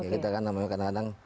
kita kan kadang kadang